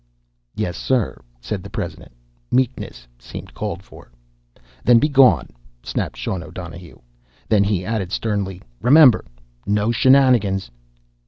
"Yes, sir," said the president. Meekness seemed called for. "Then begone!" snapped Sean O'Donohue. Then he added sternly: "Remember no shenanigans!"